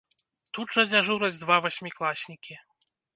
Тут жа дзяжураць два васьмікласнікі.